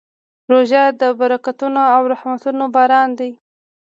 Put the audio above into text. روژه د برکتونو او رحمتونو باران دی.